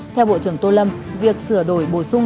theo bộ trưởng tô lâm việc sửa đổi bổ sung